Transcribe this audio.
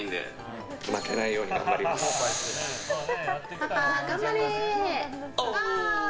パパ頑張れ！